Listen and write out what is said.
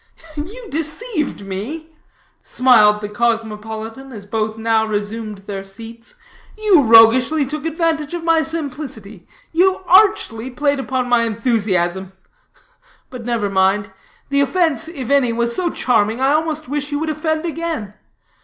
'" "You deceived me," smiled the cosmopolitan, as both now resumed their seats; "you roguishly took advantage of my simplicity; you archly played upon my enthusiasm. But never mind; the offense, if any, was so charming, I almost wish you would offend again.